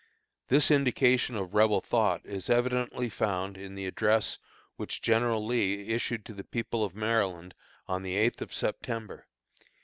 This indication of Rebel thought is evidently found in the address which General Lee issued to the people of Maryland on the eighth day of September.